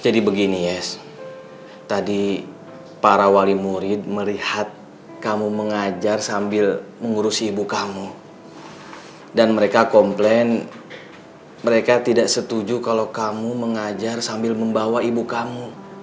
jadi begini yes tadi para wali murid melihat kamu mengajar sambil mengurusi ibu kamu dan mereka komplain mereka tidak setuju kalau kamu mengajar sambil membawa ibu kamu